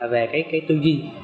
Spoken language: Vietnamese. về cái tư duy